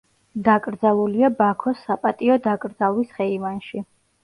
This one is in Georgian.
დაკრძალულია ბაქოს საპატიო დაკრძალვის ხეივანში.